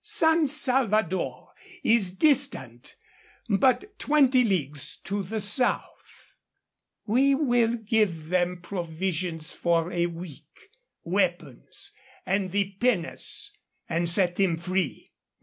San Salvador is distant but twenty leagues to the south. We will give them provisions for a week, weapons, and the pinnace, and set them free."